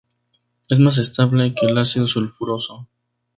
Es más estable que el ácido sulfuroso.